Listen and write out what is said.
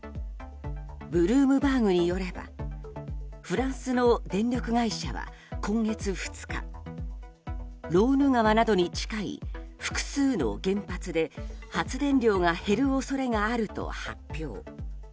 ブルームバーグによればフランスの電力会社は今月２日ローヌ川などに近い複数の原発で発電量が減る可能性があると発表。